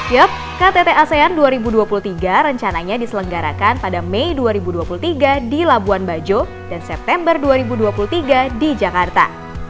yop ktt asean dua ribu dua puluh tiga rencananya diselenggarakan pada mei dua ribu dua puluh tiga di labuan bajo dan september dua ribu dua puluh tiga di jakarta